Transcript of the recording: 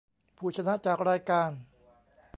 ผู้ชนะจากรายการ